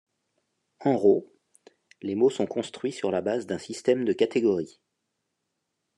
En Ro, les mots sont construits sur la base d'un système de catégories.